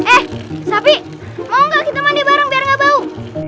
eh sapi mau gak kita mandi bareng biar gak bau